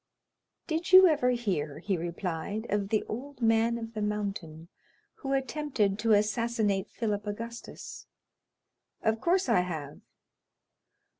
"Did you ever hear," he replied, "of the Old Man of the Mountain, who attempted to assassinate Philippe Auguste?" "Of course I have."